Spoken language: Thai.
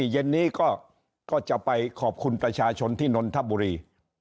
เย็นนี้ก็จะไปขอบคุณประชาชนที่นนทบุรี